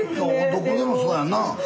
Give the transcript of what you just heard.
どこでもそうやんな。